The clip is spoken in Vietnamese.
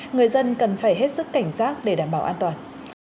người dân cần phải hết sức cảnh giác để đảm bảo an toàn